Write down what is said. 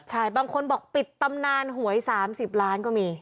ใช่บางคนบอกปิดตำนานหวย๓๐ล้านก็มี